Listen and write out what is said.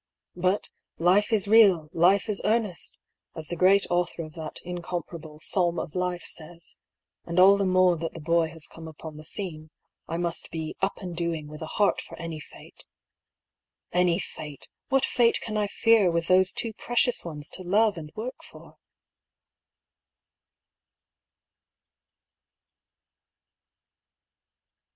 But " Life is real, life is earnest !" as the great author of that incomparable '^ Psalm of Life" says; and all the more that the boy has come upon the scene, I must be " up and doing, with a heart for any fate !" Any fate! what fate can I fear, with those two precious ones to love and work for